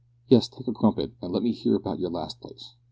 "Yes, take a crumpet, and let me hear about your last place."